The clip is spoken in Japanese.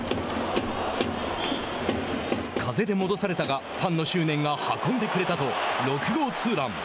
風で戻されたがファンの執念が運んでくれたと６号ツーラン。